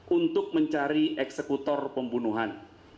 untuk mencari eksekutor pembunuhan